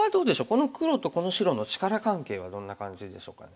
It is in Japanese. この黒とこの白の力関係はどんな感じでしょうかね。